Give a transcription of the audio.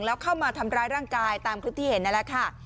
แล้วเข้ามาทำร้ายร่างกายตามคลิปที่เห็นนั่นแหละค่ะ